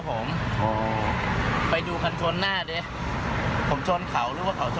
ก็ไปดูกันชนหน้ารถผมเท่านั้นแหละ